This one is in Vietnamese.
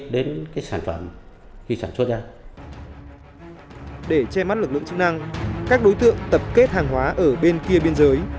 để che mắt lực lượng chức năng các đối tượng tập kết hàng hóa ở bên kia biên giới